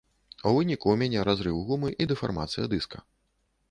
У выніку, у мяне разрыў гумы і дэфармацыя дыска.